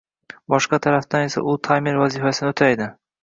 boshqa tarafdan esa u taymer vazifasini o‘taydi